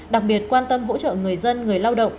đặc biệt quan tâm hỗ trợ người dân người lao động